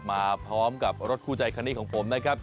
มาพร้อมกับรถคู่ใจคันนี้ของผมนะครับ